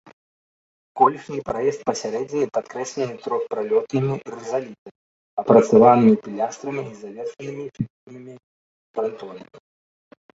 Колішні праезд пасярэдзіне падкрэслены трохпралётнымі рызалітамі, апрацаванымі пілястрамі і завершанымі фігурнымі франтонамі.